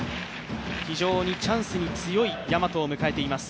非常にチャンスに強い大和を迎えています。